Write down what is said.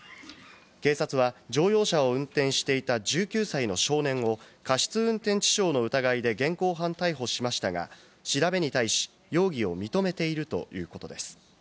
警察は乗用車を運転していた１９歳の少年を過失運転致傷の疑いで現行犯逮捕しましたが、調べに対し、容疑を認めているということです。